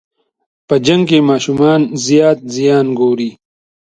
په جنګ کې ماشومان زیات زیان ګوري.